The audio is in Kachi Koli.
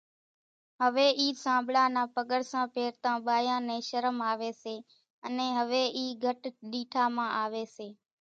هويَ اِي سانٻڙا نان پڳرسان پيرتان ٻايان نين شرم آويَ سي انين هويَ اِي گھٽ ڏيٺا مان آويَ سي۔